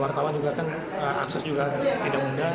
wartawan juga kan akses juga tidak mudah